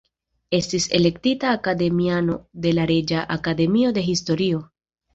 Estis elektita akademiano de la Reĝa Akademio de Historio.